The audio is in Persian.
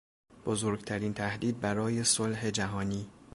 بزرگترین تهدید برای صلح جهانی